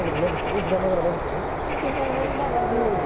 膝の裏伸びてる？